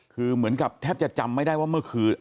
คือเหมือนกับแทบจะจำไม่ได้ว่าเมื่อคืน